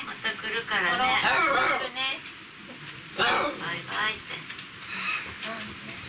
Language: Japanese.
バイバイって。